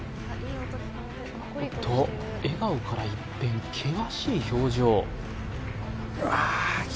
おっと笑顔から一変険しい表情